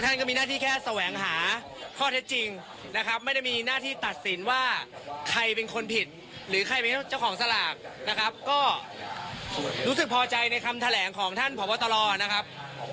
ก็มีหน้าที่แค่แสวงหาข้อเท็จจริงนะครับไม่ได้มีหน้าที่ตัดสินว่าใครเป็นคนผิดหรือใครเป็นเจ้าของสลากนะครับก็รู้สึกพอใจในคำแถลงของท่านผอบตรนะครับ